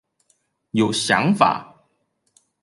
有想法